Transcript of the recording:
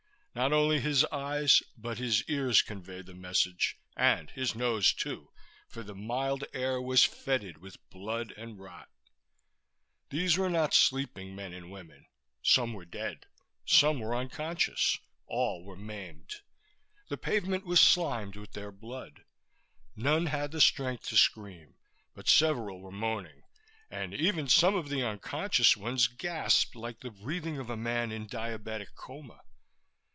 Not only his eyes but his ears conveyed the message and his nose, too, for the mild air was fetid with blood and rot. These were not sleeping men and women. Some were dead; some were unconscious; all were maimed. The pavement was slimed with their blood. None had the strength to scream, but several were moaning and even some of the unconscious ones gasped like the breathing of a man in diabetic coma.